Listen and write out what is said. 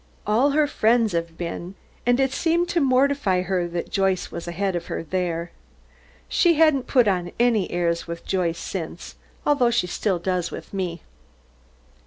All her friends have been, and it seemed to mortify her that Joyce was ahead of her there. She hasn't put on any airs with Joyce since, although she still does with me.